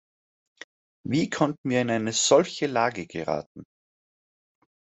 Wie konnten wir in eine solche Lage geraten?